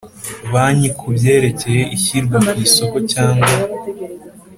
Banki ku byerekeye ishyirwa ku isoko cyangwa